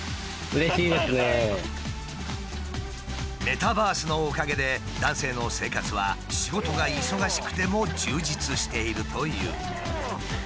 メタバースのおかげで男性の生活は仕事が忙しくても充実しているという。